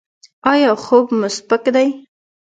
ایا خوب مو سپک دی؟